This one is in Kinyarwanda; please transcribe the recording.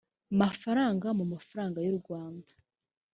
mafaranga mu mafaranga y u rwanda